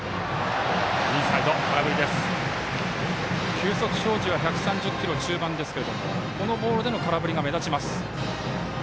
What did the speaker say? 球速表示は１３０キロ中盤ですがこのボールでの空振りが目立ちます。